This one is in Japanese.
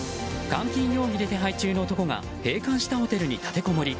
監禁容疑で手配中の男が閉館したホテルに立てこもり。